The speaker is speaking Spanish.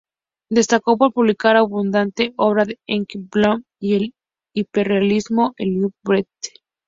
Destacó por publicar abundante obra de Enki Bilal y el hiperrealismo de Lionel Bret.